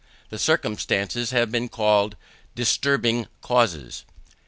These circumstances have been called disturbing causes.